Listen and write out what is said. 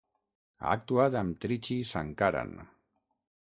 Ha actuat amb Trichy Sankaran.